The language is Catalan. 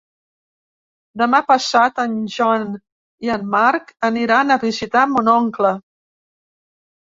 Demà passat en Joan i en Marc aniran a visitar mon oncle.